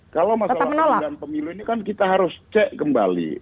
kalau masalah penundaan pemilu ini kan kita harus cek kembali